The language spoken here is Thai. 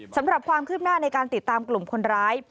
สำหรับความคืบหน้าในการติดตามกลุ่มคนร้าย